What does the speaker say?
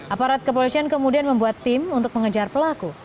aparat kepolisian kemudian membuat tim untuk mengejar pelaku